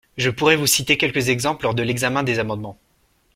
Je pourrai vous citer quelques exemples lors de l’examen des amendements.